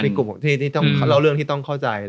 มีกลุ่มที่ต้องเล่าเรื่องที่ต้องเข้าใจ